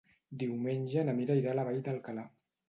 Diumenge na Mira irà a la Vall d'Alcalà.